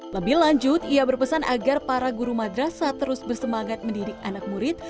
lebih lanjut ia berpesan agar para guru madrasah terus bersemangat mendidik anak murid